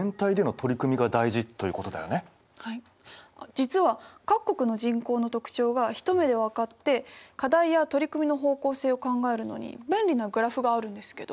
実は各国の人口の特徴が一目で分かって課題や取り組みの方向性を考えるのに便利なグラフがあるんですけど。